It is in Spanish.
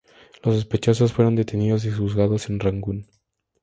Los sospechosos fueron detenidos y juzgados en Rangún.